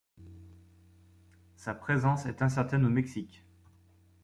Sa présence est incertaine au Mexique.